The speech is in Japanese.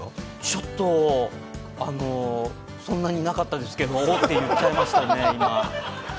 ちょっとそんなになかったですけどおって言っちゃいましたね。